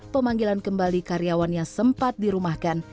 pemanggilan kembali karyawan yang sempat dirumahkan